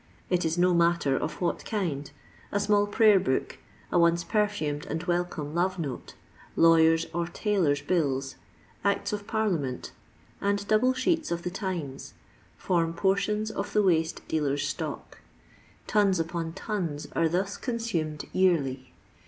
It is no matter of what kind ; a small prayer book, a once perfumed and welcome love note, lawyers' or tailors' bills, acts of parlia ment, and double sheets of the Timss, form portions of the waste dealers stock. Tons upon tons are thus consumed yearly.